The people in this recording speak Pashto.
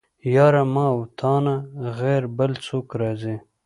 يره ما او تانه غير بل څوک راځي.